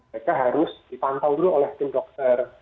mereka harus dipantau dulu oleh tim dokter